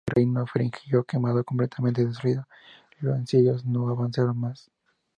El reino frigio quedó completamente destruido y los asirios no avanzaron más.